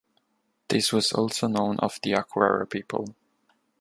This was also known of the Acuera people.